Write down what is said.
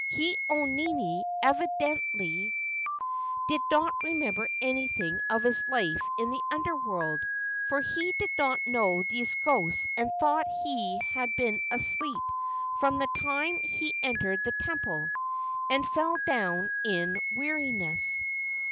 Ke au nini evidently did not remember anything of his life in the Under world, for he did not know these ghosts and thought he had been asleep from the time he entered the temple and fell down in weariness.